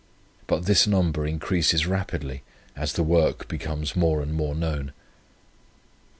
But this number increases rapidly as the work becomes more and more known.